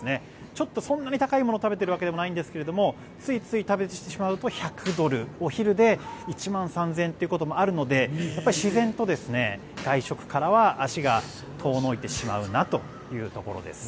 ちょっとそんなに高いものを食べているわけでもないんですがついつい食べてしまうと１００ドルお昼で１万３０００円ということもあるので自然と外食からは足が遠のいてしまうなというところです。